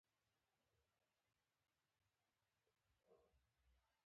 موټروان به زارۍ کولې.